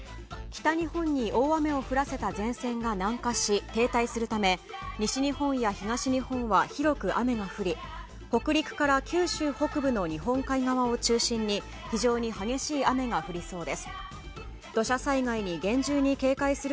北日本に大雨を降らせた前線が南下し、停滞するため西日本や東日本は広く雨が降り北陸から九州北部の日本海側を中心に非常に激しい雨が降りそうです。